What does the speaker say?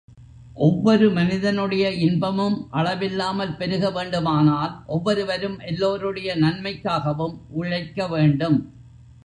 ஒவ்வொரு மனிதனுடைய இன்பமும் அளவில்லாமல் பெருக வேண்டுமானால், ஒவ்வொருவரும் எல்லோருடைய நன்மைக்காகவும் உழைக்க வேண்டும்.